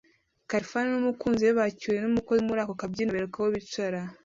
Khalifan n’umukunzi we bakiriwe n’umukozi wo muri aka kabyiniro abereka aho bicara